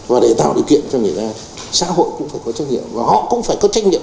và để tạo điều kiện cho người ta xã hội cũng phải có trách nhiệm